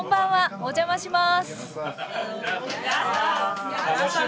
お邪魔します。